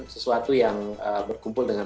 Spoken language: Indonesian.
sesuatu yang berkumpul dengan